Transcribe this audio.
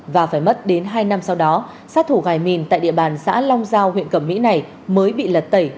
và phải mất đến hai năm sau đó sát thủ gài mìn tại địa bàn xã long giao huyện cẩm mỹ này mới bị lật tẩy